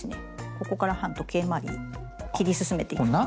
ここから反時計まわりに切り進めていきます。